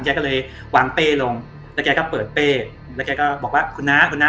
แกก็เลยวางเป้ลงแล้วแกก็เปิดเป้แล้วแกก็บอกว่าคุณน้าคุณน้า